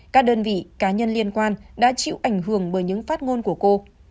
các đơn vị cá nhân liên quan đã chịu ảnh hưởng bởi những phát ngôn của cô